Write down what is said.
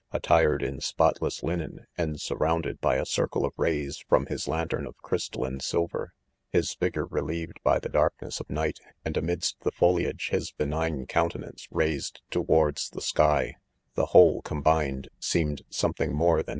attired in spotless linen, and surrounded by a circle' of ray s/from his 'lantern of crystal and silver ;;: hisfigure relieved by the darkness of night, and, amidst the foliage, his benign coun* tenance raised: toward & the sky — the whole '•combined seemed something more" than